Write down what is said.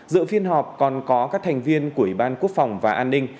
dự phiên họp còn có các thành viên của ủy ban quốc phòng và an ninh